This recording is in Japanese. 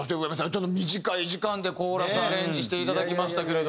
ちょっと短い時間でコーラスアレンジしていただきましたけれども。